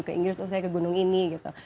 ke inggris usai ke gunung ini gitu